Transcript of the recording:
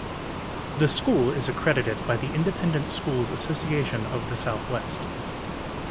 The school is accredited by the Independent Schools Association of the Southwest.